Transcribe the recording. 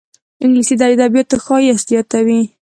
انګلیسي د ادبياتو ښایست زیاتوي